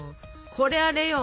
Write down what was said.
これあれよ！